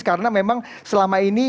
karena memang selama ini